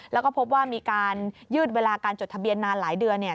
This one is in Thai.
แล้วก็พบว่ามีการยืดเวลาการจดทะเบียนนานหลายเดือนเนี่ย